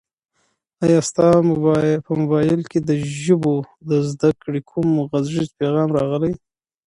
ایا ستا په موبایل کي د ژبو د زده کړې کوم غږیز پیغام راغلی؟